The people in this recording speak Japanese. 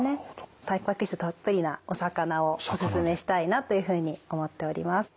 たんぱく質たっぷりなお魚をおすすめしたいなというふうに思っております。